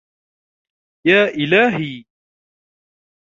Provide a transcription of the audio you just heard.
يا الهي!